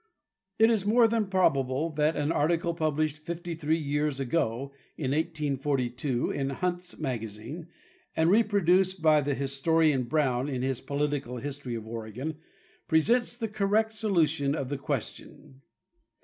It is more than probable that an article published fifty three years ago, in 1842, in " Hunt's Magazine" and reproduced by the historian Brown in his political history of Oregon, presents the correct solution of the question.